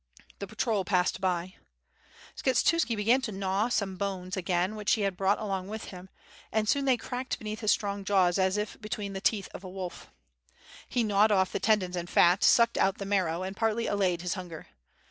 The patrol passed by. Skshetuski began to gnaw some bones again which he had brought along with him, and WITH FIRE AND SWORD. y^^ soon they cracked beneath his strong jaws as if between the teeth of a wolf. He gnawed off the tendons and fat, sucked out the marrow, and partly allayed his hunger.